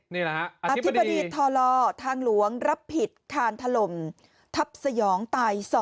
นี่แหละฮะอธิบดีทลทางหลวงรับผิดคานถล่มทัพสยองตาย๒